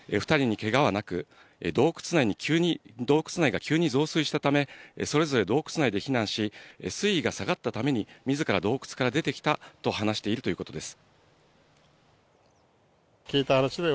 ２人にけがはなく洞窟内に洞窟内が急に増水したためそれぞれ洞窟内で避難し、水位が下がったために、自ら洞窟から出てきたと話しているということです。